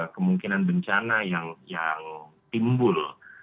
kemungkinan bencana yang timbul